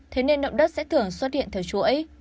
thế nên động đất sẽ thường xuất hiện theo chuỗi